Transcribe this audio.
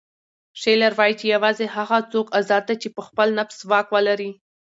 شیلر وایي چې یوازې هغه څوک ازاد دی چې په خپل نفس واک ولري.